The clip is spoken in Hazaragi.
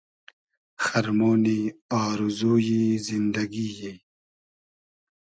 خئرمۉنی آرزو یی زیندئگی یی